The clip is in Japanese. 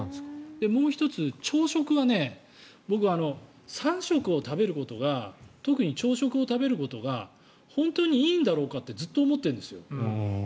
もう１つ朝食は僕、３食を食べることが特に朝食を食べることが本当にいいんだろうかとずっと思っているんです。